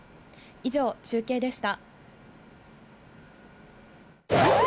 以上、中継でした。